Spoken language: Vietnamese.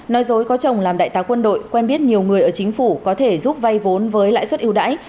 nói dối có chồng làm đại tá quân đội quen biết nhiều người ở chính phủ có thể giúp vay vốn với lãi suất yêu đãi